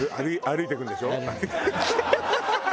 歩いて行くんでしょ？